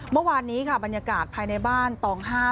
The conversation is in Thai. เมื่อวานนี้ค่ะบรรยากาศภายในบ้านตอง๕